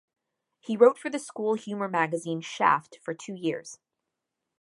He wrote for the school humor magazine, "Shaft", for two years.